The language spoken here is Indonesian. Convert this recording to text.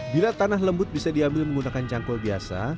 bila tanah lembut bisa diambil menggunakan cangkul biasa